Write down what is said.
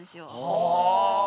はあ。